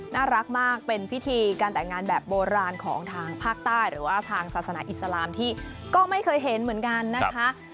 น่ารักมากเป็นพิธีการแต่งงานแบบโบราณของทางภาคใต้หรือว่าทางศาสนาอิสลามที่ก็ไม่เคยเห็นเหมือนกันนะคะ